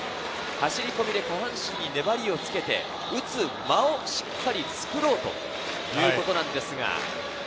走り込みで下半身に粘りをつけて、打つ間をしっかり作ろうということです。